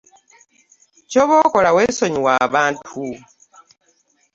Ky'oba okola weesonyiwe abantu.